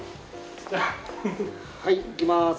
はいいきまーす。